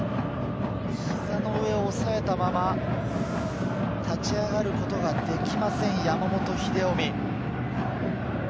膝の上をおさえたまま、立ち上がることができません、山本英臣。